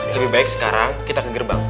lebih baik sekarang kita ke gerbang